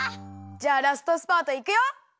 じゃあラストスパートいくよ！